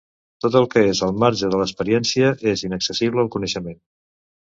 Tot el que és al marge de l'experiència és inaccessible al coneixement.